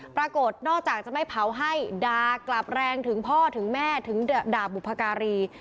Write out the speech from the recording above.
ปรากฏนอกจากจะไม่เผาให้ด่ากลับแรงถึงพ่อถึงแม่ถึงด่าบุพการี